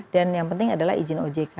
dan yang penting adalah izin ojk